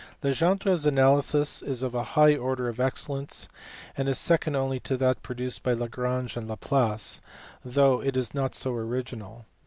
Legendre s analysis is of a high order of excellence and is second only to that produced by Lagrange and Laplace, though it is not so original.